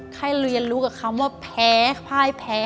ให้เรียนรู้กับคำว่าแพ้ค่ายแพ้